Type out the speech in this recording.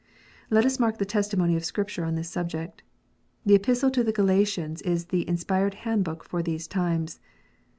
Let us mark the testimony of Scripture on this subject. The Epistle to the Galatians is the inspired handbook for these times.